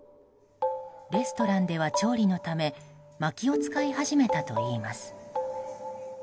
レストランでは調理のためまきを使い始めたといいます。